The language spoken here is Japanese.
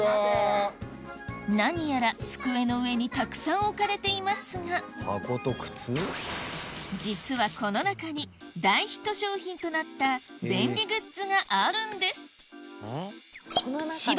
何やら机の上にたくさん置かれていますが実はこの中に大ヒット商品となった便利グッズがあるんです